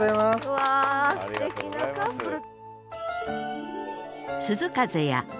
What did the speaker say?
うわすてきなカップル。